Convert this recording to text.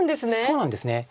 そうなんですね。